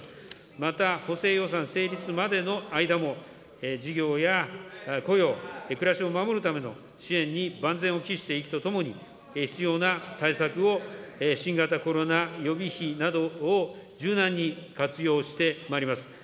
また、補正予算成立までの間も、事業や雇用、暮らしを守るための支援に万全を期していくとともに、必要な対策を新型コロナ予備費などを柔軟に活用してまいります。